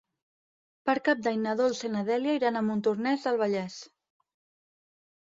Per Cap d'Any na Dolça i na Dèlia iran a Montornès del Vallès.